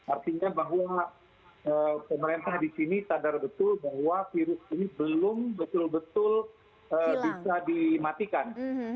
artinya bahwa pemerintah di sini sadar betul bahwa virus ini belum betul betul bisa dimatikan